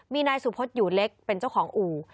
มีนายสุพศอยู่เล็กเป็นเจ้าของอู่